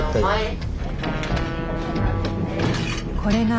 はい。